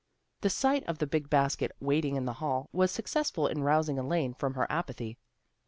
The sight of the big basket waiting in the hall was successful in rousing Elaine from her apathy.